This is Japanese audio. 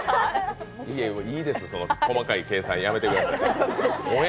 いいです、細かい計算やめてください。